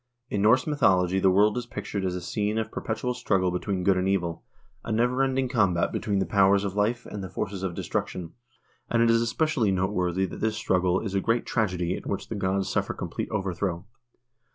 In Norse mythology the world is pictured as a scene of per petual struggle between good and evil, a never ending combat be tween the powers of life and the forces of destruction, and it is espe cially noteworthy that this struggle is a great tragedy in which the gods suffer complete overthrow.